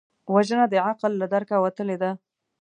وژنه د عقل له درکه وتلې ده